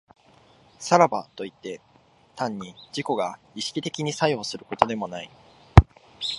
さらばといって、単に自己が意識的に作用することでもない。